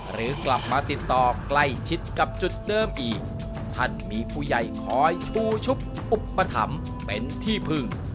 หรือกลับมาติดต่อใกล้ชิดกับจุดเดิมอีกท่านมีผู้ใหญ่คอยชูชุบอุปถัมภ์เป็นที่พึ่ง